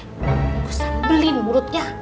gue sambelin mulutnya